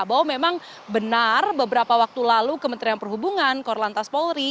bahwa memang benar beberapa waktu lalu kementerian perhubungan korlantas polri